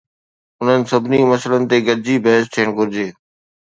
انهن سڀني مسئلن تي گڏجي بحث ٿيڻ گهرجي